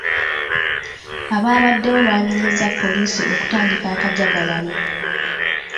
Abaabaddewo baanenyeza poliisi okutandika akajagalalo.